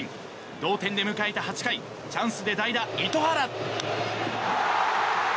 同点で迎えた８回チャンスで代打、糸原。